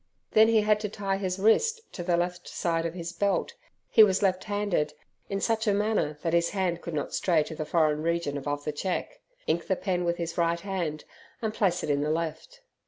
Then he had to tie his wrist to the left side of his belt he was left handed in such a manner that his hand could not stray to the foreign region above the cheque, ink the pen with his right hand, and place it in the left.